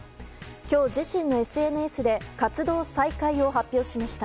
今日、自身のＳＮＳで活動再開を発表しました。